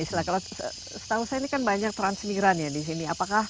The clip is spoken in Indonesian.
setahu saya ini kan banyak transmigran ya di sini